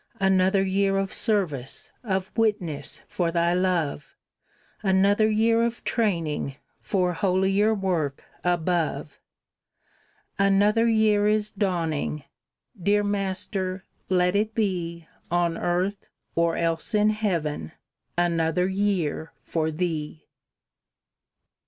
Another year of service, Of witness for Thy love; Another year of training For holier work above. Another year is dawning! Dear Master, let it be On earth, or else in heaven, Another year for Thee!